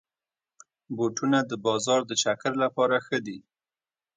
بوټونه د بازار د چکر لپاره ښه دي.